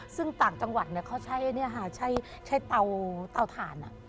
ซึ่งต่างจังหวัดเขาใช้เตาถ่าน